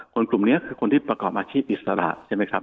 กลุ่มนี้คือคนที่ประกอบอาชีพอิสระใช่ไหมครับ